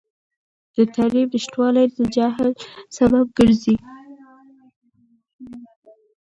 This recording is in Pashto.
د تعلیم نشتوالی د جهل سبب ګرځي.